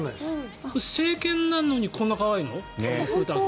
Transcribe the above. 成犬なのにこんなに可愛いの？